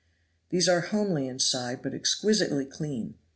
These are homely inside, but exquisitely clean.